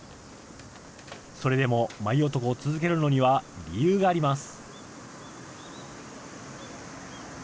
それでも舞男を続けるのには理由があります。